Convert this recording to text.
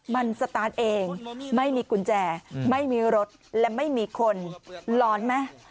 มันสตาร์ทเองไม่มีกุญแจไม่มีรถและไม่มีคนร้อนไหม